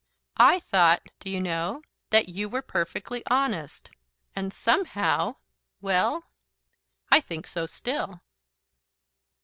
I thought, do you know? that you were perfectly honest. And somehow " "Well?" "I think so still."